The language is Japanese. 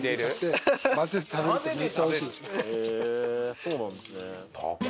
そうなんですね。